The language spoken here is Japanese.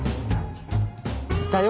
いたよ